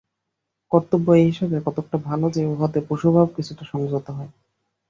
কর্তব্য এই হিসাবে কতকটা ভাল যে, উহাতে পশুভাব কিছুটা সংযত হয়।